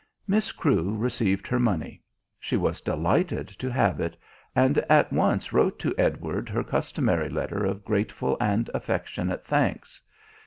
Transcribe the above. Miss Crewe received her money. She was delighted to have it, and at once wrote to Edward her customary letter of grateful and affectionate thanks.